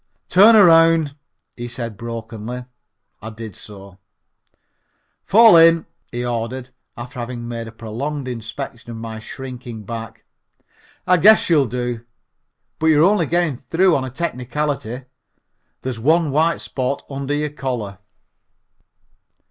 "Turn around," he said brokenly. I did so. "Fall in," he ordered, after having made a prolonged inspection of my shrinking back. "I guess you'll do, but you are only getting through on a technicality there's one white spot under your collar."